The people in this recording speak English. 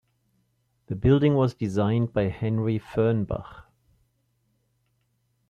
The building was designed by Henry Fernbach.